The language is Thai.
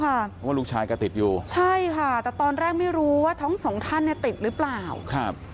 เพราะว่าลูกชายก็ติดอยู่ใช่ค่ะแต่ตอนแรกไม่รู้ว่าทั้งสองท่านเนี่ยติดหรือเปล่าครับ